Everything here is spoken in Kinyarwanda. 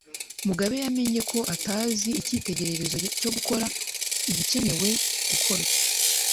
Mugabe yamenye ko atazi igitekerezo cyo gukora igikenewe gukorwa.